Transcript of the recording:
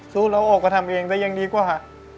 สู้แล้วออกไปทำเองจะยังดีกว่า